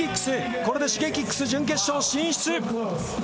これでＳｈｉｇｅｋｉｘ準決勝進出。